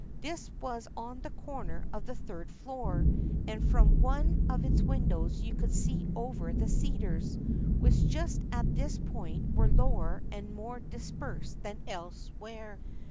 This was on the corner of the third floor, and from one of its windows you could see over the cedars, which just at this point were lower and more dispersed than elsewhere.